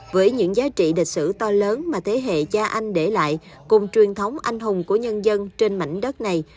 với những giá trị địch sử to lớn mà thế hệ cha anh để lại cùng truyền thống anh hùng của nhân dân trên mảnh đất này